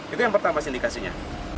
itu yang pertama sindikasinya